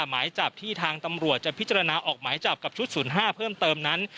หมายจับที่ทางตำรวจจะพิจารณาออกหมายจับกับชุด๐๕เพิ่มเติมนั้น